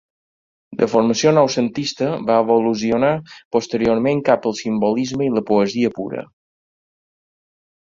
De formació noucentista, va evolucionar posteriorment cap al simbolisme i la poesia pura.